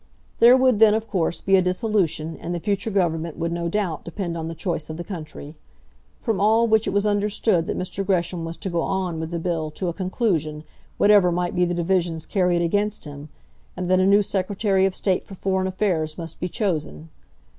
There would then, of course, be a dissolution, and the future Government would, no doubt, depend on the choice of the country. From all which it was understood that Mr. Gresham was to go on with the bill to a conclusion, whatever might be the divisions carried against him, and that a new Secretary of State for Foreign Affairs must be chosen.